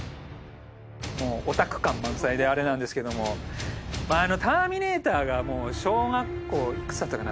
オタク感満載であれなんですけども『ターミネーター』が小学校いくつだったかな。